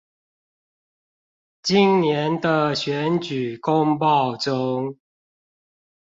今年的選舉公報中